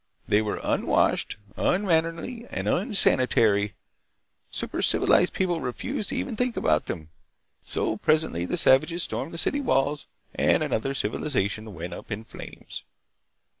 They were unwashed, unmannerly, and unsanitary. Super civilized people refused even to think about them! So presently the savages stormed the city walls and another civilization went up in flames."